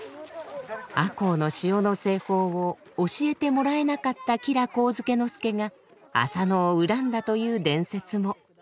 赤穂の塩の製法を教えてもらえなかった吉良上野介が浅野を恨んだという伝説も。